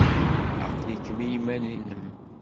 Aql-ikem i yiman-nnem?